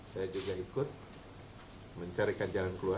saya juga ikut mencarikan jalan keluar